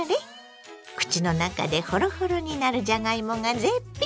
口の中でほろほろになるじゃがいもが絶品。